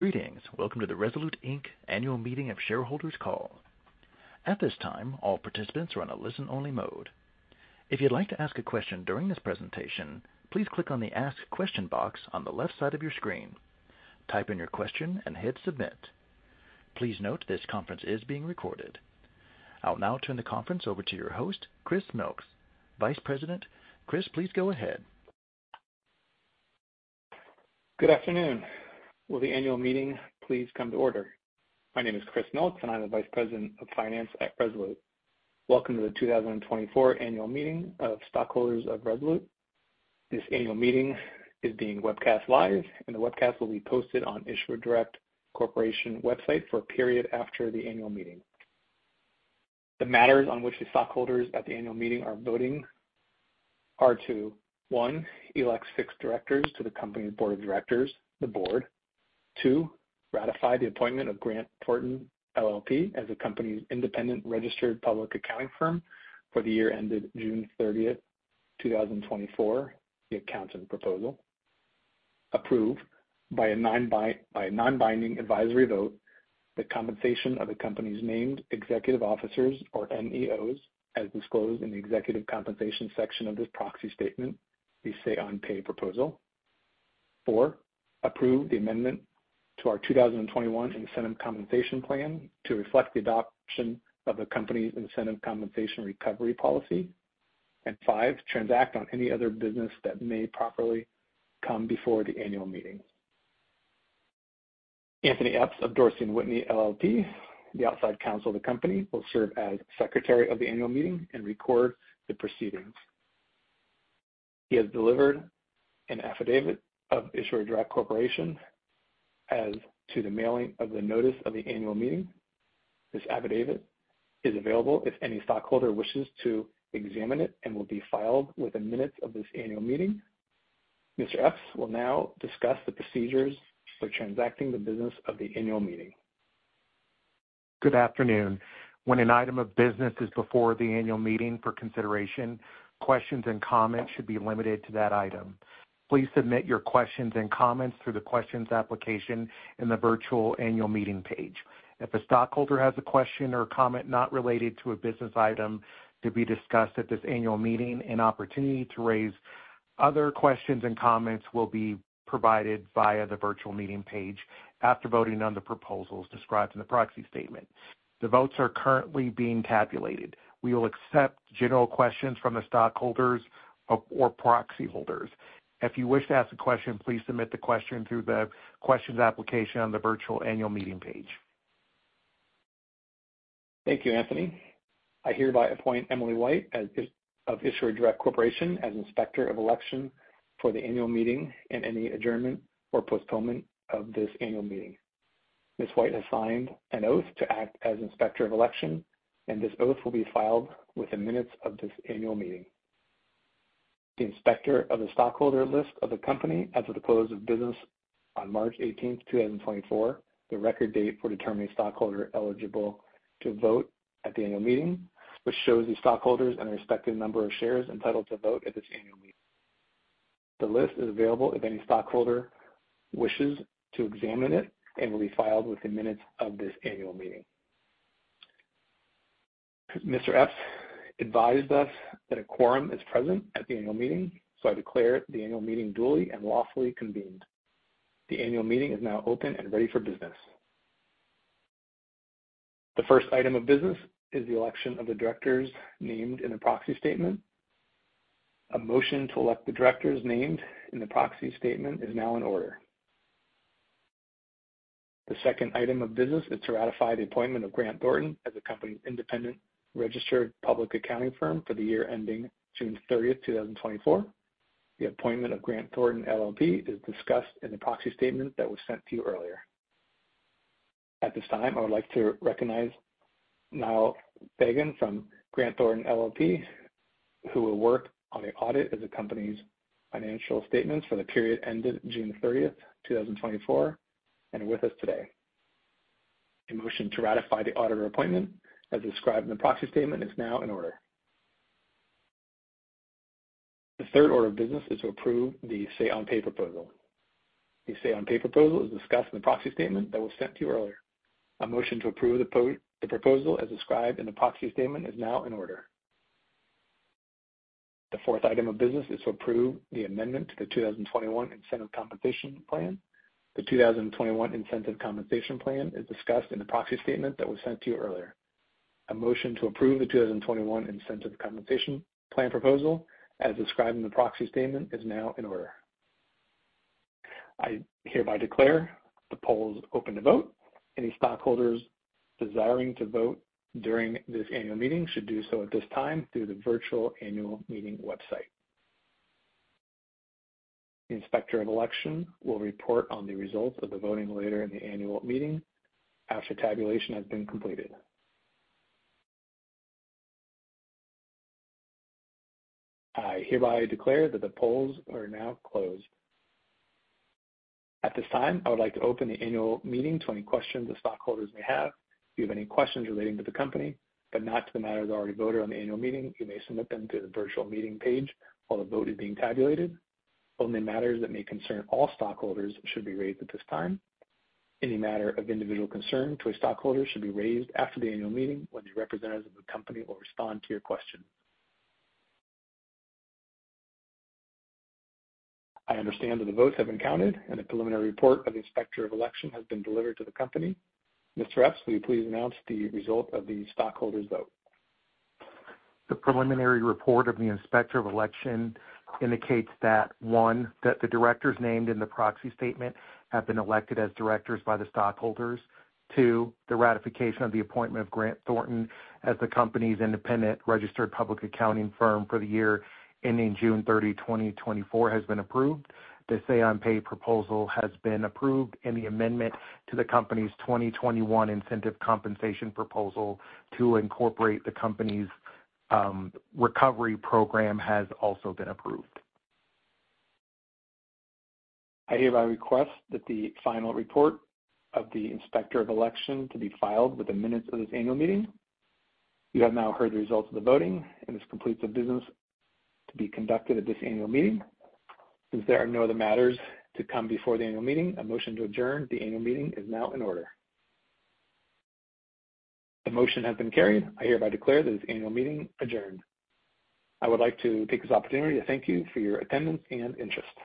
Greetings. Welcome to the Rezolute Inc Annual Meeting of Shareholders Call. At this time, all participants are on a listen-only mode. If you'd like to ask a question during this presentation, please click on the Ask Question box on the left side of your screen. Type in your question and hit Submit. Please note, this conference is being recorded. I'll now turn the conference over to your host, Chris Milks, Vice President. Chris, please go ahead. Good afternoon. Will the annual meeting please come to order? My name is Chris Milks, and I'm the Vice President of Finance at Rezolute. Welcome to the 2024 Annual Meeting of Stockholders of Rezolute. This annual meeting is being webcast live, and the webcast will be posted on Issuer Direct Corporation website for a period after the annual meeting. The matters on which the stockholders at the annual meeting are voting are to, 1, elect 6 directors to the company's Board of Directors, the board. 2, ratify the appointment of Grant Thornton LLP as the company's independent registered public accounting firm for the year ended June 30, 2024, the Accountant Proposal. Approve by a non-binding advisory vote the compensation of the company's Named Executive Officers, or NEOs, as disclosed in the executive compensation section of this Proxy Statement, the Say-on-Pay Proposal. 4, approve the amendment to our 2021 incentive compensation plan to reflect the adoption of the company's Incentive Compensation Recovery Policy. And 5, transact any other business that may properly come before the annual meeting. Anthony Epps of Dorsey & Whitney LLP, the outside counsel of the company, will serve as secretary of the annual meeting and record the proceedings. He has delivered an affidavit of Issuer Direct Corporation as to the mailing of the notice of the annual meeting. This affidavit is available if any stockholder wishes to examine it and will be filed within minutes of this annual meeting. Mr. Epps will now discuss the procedures for transacting the business of the annual meeting. Good afternoon. When an item of business is before the annual meeting for consideration, questions and comments should be limited to that item. Please submit your questions and comments through the questions application in the virtual annual meeting page. If a stockholder has a question or comment not related to a business item to be discussed at this annual meeting, an opportunity to raise other questions and comments will be provided via the virtual meeting page after voting on the proposals described in the Proxy Statement. The votes are currently being tabulated. We will accept general questions from the stockholders or proxy holders. If you wish to ask a question, please submit the question through the questions application on the virtual annual meeting page. Thank you, Anthony. I hereby appoint Emily White as Inspector of Issuer Direct Corporation, as Inspector of Election for the annual meeting and any adjournment or postponement of this annual meeting. Ms. White has signed an oath to act as Inspector of Election, and this oath will be filed with the minutes of this annual meeting. The Inspector of the stockholder list of the company as of the close of business on March 18, 2024, the record date for determining stockholders eligible to vote at the annual meeting, which shows the stockholders and the respective number of shares entitled to vote at this annual meeting. The list is available if any stockholder wishes to examine it, and will be filed with minutes of this annual meeting. Mr. Epps advised us that a quorum is present at the annual meeting, so I declare the annual meeting duly and lawfully convened. The annual meeting is now open and ready for business. The first item of business is the election of the directors named in the Proxy Statement. A motion to elect the directors named in the Proxy Statement is now in order. The second item of business is to ratify the appointment of Grant Thornton as the company's independent registered public accounting firm for the year ending June 30, 2024. The appointment of Grant Thornton, LLP, is discussed in the Proxy Statement that was sent to you earlier. At this time, I would like to recognize Niall Fagan from Grant Thornton LLP, who will work on the audit of the company's financial statements for the period ended June 30th, 2024, and with us today. A motion to ratify the auditor appointment, as described in the Proxy Statement, is now in order. The third order of business is to approve the Say-on-Pay Proposal. The Say-on-Pay Proposal is discussed in the Proxy Statement that was sent to you earlier. A motion to approve the proposal, as described in the Proxy Statement, is now in order. The fourth item of business is to approve the amendment to the 2021 incentive compensation plan. The 2021 incentive compensation plan is discussed in the Proxy Statement that was sent to you earlier. A motion to approve the 2021 incentive compensation plan proposal, as described in the Proxy Statement, is now in order. I hereby declare the polls open to vote. Any stockholders desiring to vote during this annual meeting should do so at this time through the virtual annual meeting website. The Inspector of Election will report on the results of the voting later in the annual meeting after tabulation has been completed. I hereby declare that the polls are now closed. At this time, I would like to open the annual meeting to any questions the stockholders may have. If you have any questions relating to the company, but not to the matters already voted on the annual meeting, you may submit them through the virtual meeting page while the vote is being tabulated. Only matters that may concern all stockholders should be raised at this time. Any matter of individual concern to a stockholder should be raised after the annual meeting, when the representatives of the company will respond to your question. I understand that the votes have been counted, and a preliminary report of the Inspector of Election has been delivered to the company. Mr. Epps, will you please announce the result of the stockholders' vote? The preliminary report of the Inspector of Election indicates that, 1, that the directors named in the Proxy Statement have been elected as directors by the stockholders. 2, the ratification of the appointment of Grant Thornton as the company's independent registered public accounting firm for the year ending June 30, 2024, has been approved. The Say-on-Pay Proposal has been approved, and the amendment to the company's 2021 incentive compensation proposal to incorporate the company's recovery program has also been approved. I hereby request that the final report of the Inspector of Election to be filed with the minutes of this annual meeting. You have now heard the results of the voting, and this completes the business to be conducted at this annual meeting. Since there are no other matters to come before the annual meeting, a motion to adjourn the annual meeting is now in order. The motion has been carried. I hereby declare this annual meeting adjourned. I would like to take this opportunity to thank you for your attendance and interest.